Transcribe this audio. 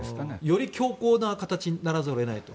より強硬な形にならざるを得ないと。